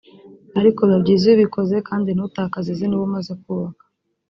ariko biba byiza iyo ubikoze kandi ntutakaze izina uba umaze kubaka